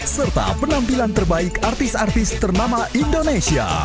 serta penampilan terbaik artis artis ternama indonesia